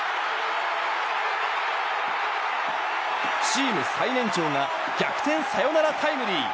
チーム最年長が逆転サヨナラタイムリー！